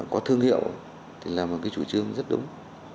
có thương hiệu thì là một cái chủ trương rất đúng